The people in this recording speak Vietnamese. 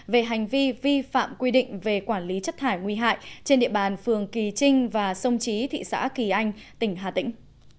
về hành vi vi phạm quy định về quản lý chất thải nguy hại trên địa bàn phường kỳ trinh và sông trí thị xã kỳ anh tỉnh hà tĩnh